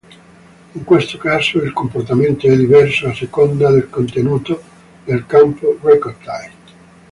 In questo caso il comportamento è diverso a seconda del contenuto del campo Record_Type.